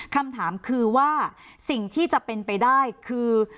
คำถามคือว่าสิ่งที่จะเป็นไปได้คือ